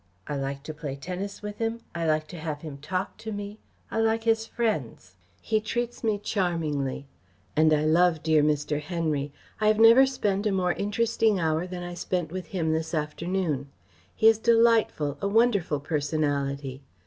I like to play tennis with him, I like to have him talk to me, I like his friends. He treats me charmingly. And I love dear Mr. Henry. I have never spent a more interesting hour than I spent with him this afternoon. He is delightful a wonderful personality.